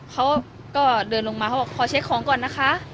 เขาก็เดินลงมาเขาบอกขอเช็คของก่อนนะคะ